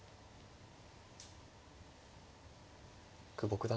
久保九段